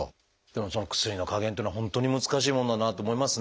でもその薬の加減っていうのは本当に難しいもんだなと思いますね